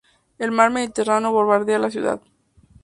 El mar Mediterráneo bordea la ciudad.